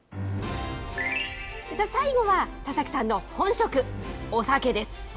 最後は、田崎さんの本職、お酒です。